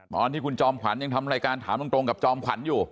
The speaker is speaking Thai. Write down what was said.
ตอนที่คุณจอมขวัญยังทำรายการถามตรงกับจอมขวัญอยู่